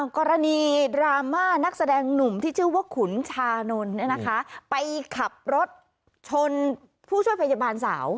กรณีดราม่านักแสดงหนุ่มที่ชื่อว่าขุนชานนท์ไปขับรถชนผู้ช่วยพยาบาลสาว